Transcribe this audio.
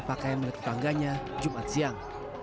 pakaian milik tetangganya jumat siang